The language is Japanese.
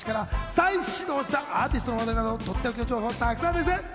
再始動したアーティストの話題など、とっておきの情報盛りだくさんです。